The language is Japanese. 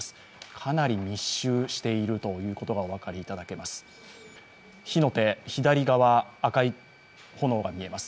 かなり密集していることがお分かりいただけると思います。